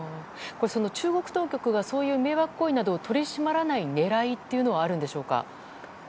中国当局がそういう迷惑行為などを取り締まらない狙いっていうのはあるんでしょうか。